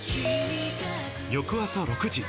翌朝６時。